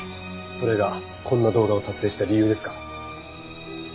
それがこんな動画を撮影した理由ですか？